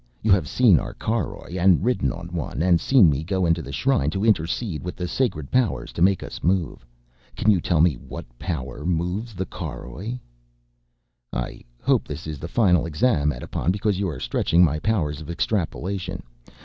You have seen our caroj and ridden on one, and seen me go into the shrine to intercede with the sacred powers to make us move. Can you tell me what power moves the caroj?" "I hope this is the final exam, Edipon, because you are stretching my powers of extrapolation.